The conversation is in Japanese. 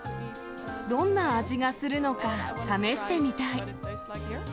どんな味がするのか試してみたい。